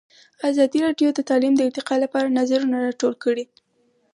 ازادي راډیو د تعلیم د ارتقا لپاره نظرونه راټول کړي.